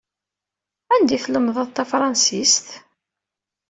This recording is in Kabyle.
Anda i tlemdeḍ tafransist?